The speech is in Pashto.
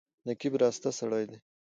نقيب راسته سړی دی.